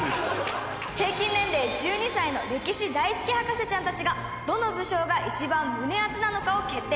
平均年齢１２歳の歴史大好き博士ちゃんたちがどの武将が一番胸アツなのかを決定。